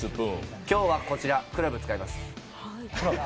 今日はこちら、クラブを使います。